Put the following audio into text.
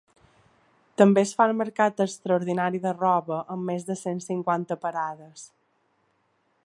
També es fa el mercat extraordinari de roba, amb més de cent cinquanta parades.